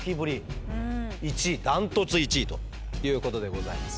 １位ダントツ１位ということでございます。